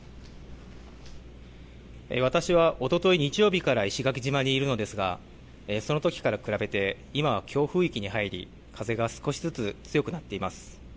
私はおととい日曜日から石垣島にいるのですが、そのときから比べて、今は強風域に入り、風が少しずつ強くなっています。